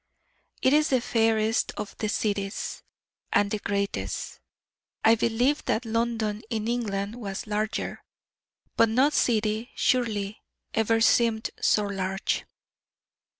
It is the fairest of cities and the greatest. I believe that London in England was larger: but no city, surely, ever seemed so large.